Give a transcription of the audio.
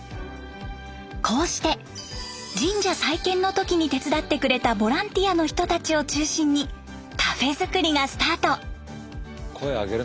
こうして神社再建の時に手伝ってくれたボランティアの人たちを中心にカフェ造りがスタート。